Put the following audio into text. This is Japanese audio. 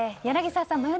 柳澤さん